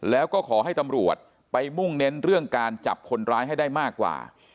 แล้วก็ขอให้ตำรวจไปมุ่งเน้นเรื่องการจับคนร้ายให้ได้มากกว่า